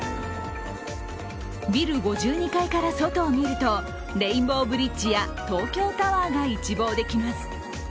ビル５２階から外を見ると、レインボーブリッジや東京タワーが一望できます。